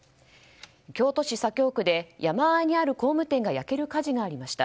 京都市左京区で山あいにある工務店が焼ける火事がありました。